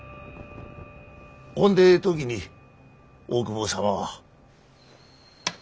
ほんで時に大久保様は？